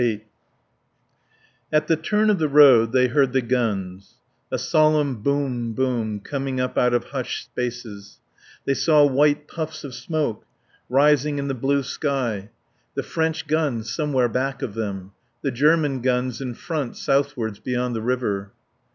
VIII At the turn of the road they heard the guns: a solemn Boom Boom coming up out of hushed spaces; they saw white puffs of smoke rising in the blue sky. The French guns somewhere back of them. The German guns in front southwards beyond the river.